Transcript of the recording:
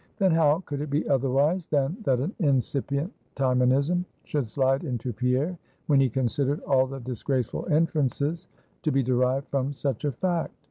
Then how could it be otherwise, than that an incipient Timonism should slide into Pierre, when he considered all the disgraceful inferences to be derived from such a fact.